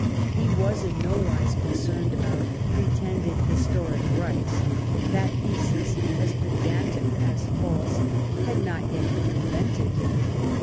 He was in no wise concerned about pretended historic rights ; that thesis, as pedan^tic as false, had not yet been invented.